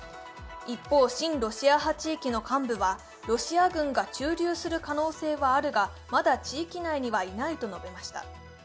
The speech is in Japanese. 一方、親ロシア派地域の幹部はロシア軍が駐留する可能性はあるが、まだ地域内にはいないと述べました。